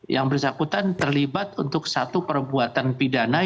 yang bersangkutan terlibat untuk satu perbuatan pidana